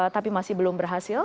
tapi masih belum berhasil